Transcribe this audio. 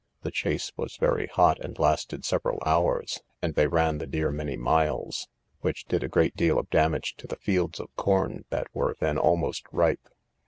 The chase was very hot, and lasted several hours, and they ran the deer many miles, which did a great deal of damage to the fields of corn that were then almost ripe.